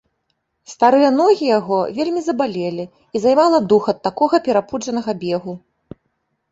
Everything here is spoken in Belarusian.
Старыя ногі яго вельмі забалелі, і займала дух ад такога перапуджанага бегу.